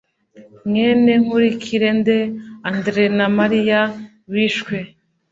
mwene nkurikirende andre na mariya bishwe